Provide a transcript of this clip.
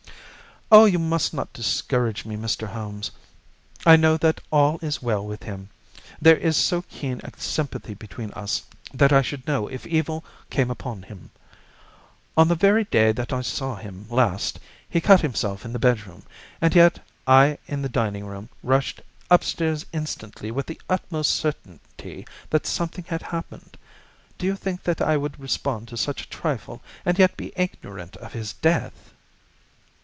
"Oh, you must not discourage me, Mr. Holmes. I know that all is well with him. There is so keen a sympathy between us that I should know if evil came upon him. On the very day that I saw him last he cut himself in the bedroom, and yet I in the dining room rushed upstairs instantly with the utmost certainty that something had happened. Do you think that I would respond to such a trifle and yet be ignorant of his death?"